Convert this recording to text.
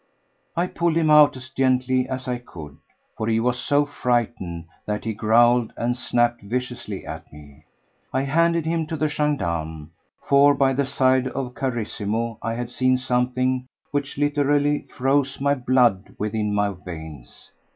I pulled him out as gently as I could, for he was so frightened that he growled and snapped viciously at me. I handed him to the gendarme, for by the side of Carissimo I had seen something which literally froze my blood within my veins.